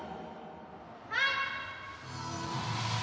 はい！